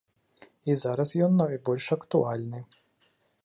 І зараз ён найбольш актуальны.